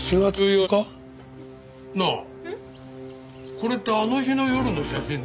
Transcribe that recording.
これってあの日の夜の写真だよな？